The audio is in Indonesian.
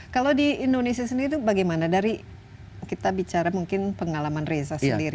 kalau di indonesia sendiri itu bagaimana dari kita bicara mungkin pengalaman reza sendiri